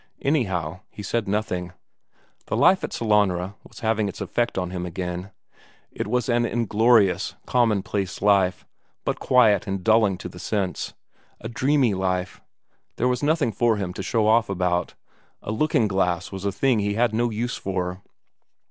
Anyhow, he said nothing. The life at Sellanraa was having its effect on him again; it was an inglorious, commonplace life, but quiet and dulling to the sense, a dreamy life; there was nothing for him to show off about, a looking glass was a thing he had no use for.